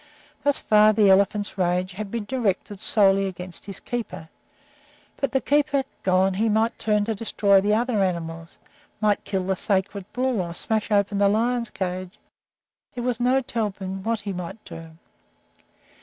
Thus far the elephant's rage had been directed solely against his keeper, but, the keeper gone, he might turn to destroying the other animals, might kill the sacred bull, or smash open the lions' cages there was no telling what he might do.